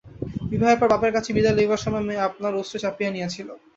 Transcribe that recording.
বিবাহের পর বাপের কাছে বিদায় লইবার সময় মেয়ে আপনার অশ্রু চাপিয়া নিয়াছিল।